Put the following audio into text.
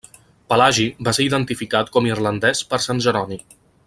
Pelagi va ser identificat com irlandès per sant Jeroni.